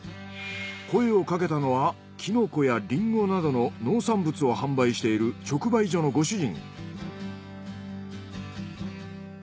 声をかけたのはキノコやリンゴなどの農産物を販売している直売所のご主人。